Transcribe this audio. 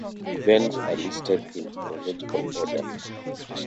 Events are listed in chronological order.